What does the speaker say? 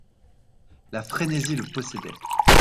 La frénésie le possédait.